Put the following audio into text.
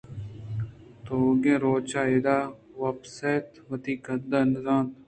تیوگیں روچ ءَ اِدا وپسیت وتی قد ءَ نہ زانت